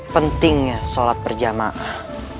pentingnya sholat perjamaah